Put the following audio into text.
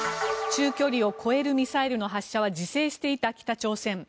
中距離を超えるミサイルの発射は自制していた北朝鮮。